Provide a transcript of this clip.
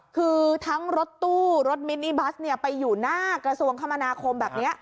คือทั้งรถตู้รถมินิบัสไปอยู่หน้ากระทรวงคมนาคมแบบนี้